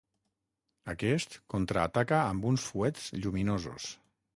Aquest, contraataca amb uns fuets lluminosos.